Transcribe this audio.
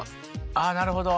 あなるほど。